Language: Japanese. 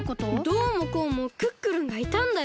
どうもこうもクックルンがいたんだよ。